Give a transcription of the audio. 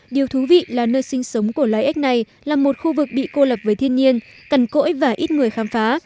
điều thú vị là nơi sinh sống của loài ếch này là một khu vực bị cô lập với thiên nhiên cằn cỗi và ít người khám phá